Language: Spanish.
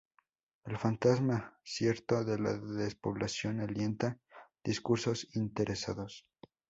El fantasma, cierto, de la despoblación alienta discursos interesados.